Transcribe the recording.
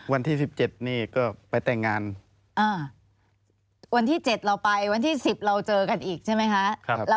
วันที่๗เราไปวันที่๑๐เราเจอกันอีกใช่ไหมฮะ